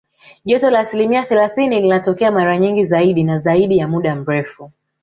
Joto la asilimia thelathini linatokea mara nyingi zaidi na zaidi ya muda mrefu